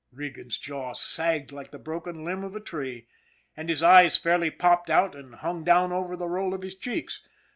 Regan's jaw sagged like the broken limb of a tree, and his eyes fairly popped out and hung down over the roll of his cheeks.